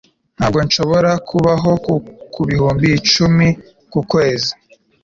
Ntabwo nshobora kubaho ku bihumbi icumi yen ku kwezi